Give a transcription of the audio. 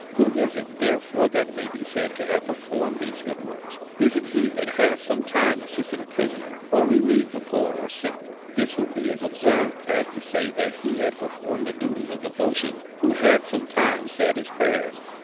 Who is it, tiierefore, that may be said to have performed these good works? Is it he that has sortietimcs assisted a 6% A SERIOUS CALL TO A prisoner^ or relieved the poor or sick? This would be as absurd as to say that he had performed the du ties of devotion who had sometimes said his prayers.